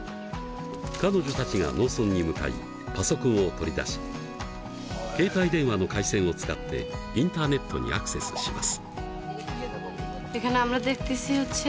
彼女たちが農村に向かいパソコンを取り出し携帯電話の回線を使ってインターネットにアクセスします。